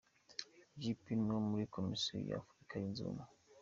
Jean Ping wo muri Komisiyo ya Afurika yunze Ubumwe.